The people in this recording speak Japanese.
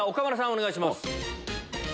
お願いします。